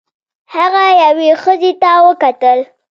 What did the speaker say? هغه یوې ښځې ته وکتل.